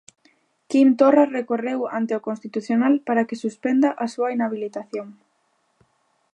Quim Torra recorreu ante o Constitucional para que suspenda a súa inhabilitación.